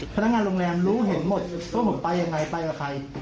พนักงานโรงแรมรู้เห็นหมดว่าผมไปยังไงไปกับใคร